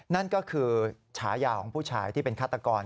นั่นก็คือฉายาของผู้ชายที่เป็นฆาตกร